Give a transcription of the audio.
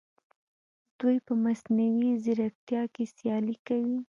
دوی په مصنوعي ځیرکتیا کې سیالي کوي.